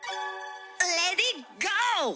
レディーゴー！